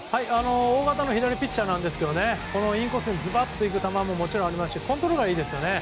大型の左ピッチャーなんですがインコースにズバッといく球ももちろんありますしコントロールがいいですよね。